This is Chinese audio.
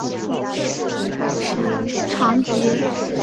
三是城镇商圈已经成为发展亮点和核心增长极。